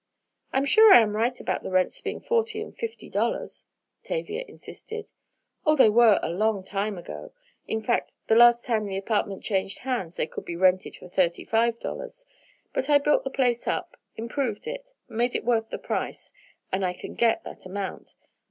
"I'm sure I am right about the rents being forty and fifty dollars," Tavia insisted. "Oh, they were that a long time ago; in fact, the last time the apartment changed hands they could be rented for thirty five dollars. But I built the place up, improved it, made it worth the price, and I can get that amount.